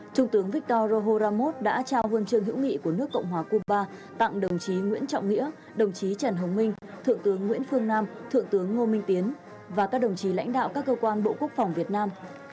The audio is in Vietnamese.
trung tướng viktor roher ramut đã trao huân chương hữu nghị của nước cộng hòa cuba tặng đồng chí nguyễn trọng nghĩa đồng chí trần hồng minh thượng tướng nguyễn phương nam thượng tướng ngô minh tiến và các đồng chí lãnh đạo các cơ quan bộ quốc phòng việt nam